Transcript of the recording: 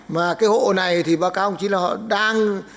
mà cái hộ này thì bà cao chí là họ đang